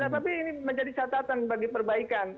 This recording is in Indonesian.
tapi ini menjadi catatan bagi perbaikan